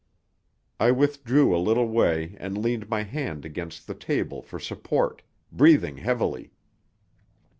I withdrew a little way and leaned my hand against the table for support, breathing heavily.